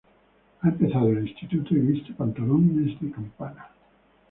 Ha empezado el instituto y viste pantalones de campana.